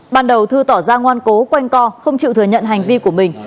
ban đầu thư tỏ ra ngoan cố quanh co không chịu thừa nhận hành vi của mình